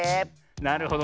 なるほどね。